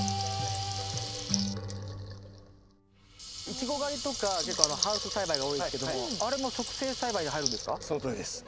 イチゴ狩りとか結構ハウス栽培が多いですけどもあれも促成栽培に入るんですか？